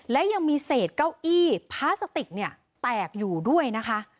และยังมีเศษเก้าอี้พลาสติกเนี่ยแตกอยู่ด้วยนะคะ